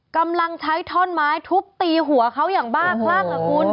กำลังใช้ท่อนไม้ทุบตีหัวเขาอย่างบ้าคลั่งอ่ะคุณ